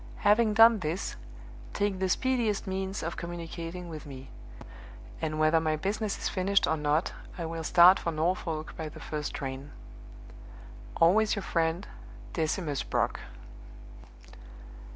Having done this, take the speediest means of communicating with me; and whether my business is finished or not, I will start for Norfolk by the first train. "Always your friend, DECIMUS BROCK."